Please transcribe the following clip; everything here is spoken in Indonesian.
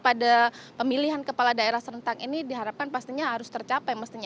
pada pemilihan kepala daerah serentak ini diharapkan pastinya harus tercapai mestinya